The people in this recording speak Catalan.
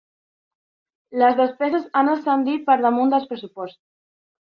Les despeses han ascendit per damunt dels pressuposts.